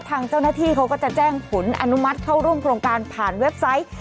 ทางเจ้าหน้าที่เขาก็จะแจ้งผลอนุมัติเข้าร่วมโครงการผ่านเว็บไซต์